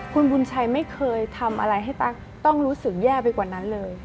คุณบุญชัยไม่เคยทำอะไรให้ตั๊กต้องรู้สึกแย่ไปกว่านั้นเลย